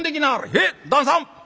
「へえ旦さん！」。